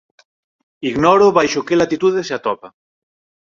Ignoro baixo que latitude se atopa.